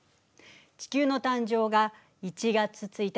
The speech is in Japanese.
地球の誕生が１月１日。